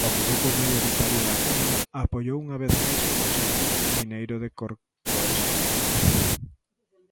O grupo maioritario da Cámara apoiou unha vez máis o proxecto mineiro de Corcoesto.